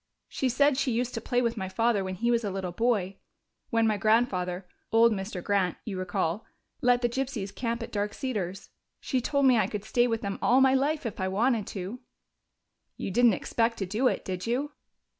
She said she used to play with my father when he was a little boy, when my grandfather old Mr. Grant, you recall let the gypsies camp at Dark Cedars. She told me I could stay with them all my life if I wanted to." "You didn't expect to do it, did you?"